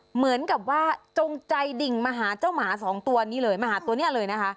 เหมือนกับว่าจงใจดิ่งมาหาเจ้าหมา๒ตัวมันเลย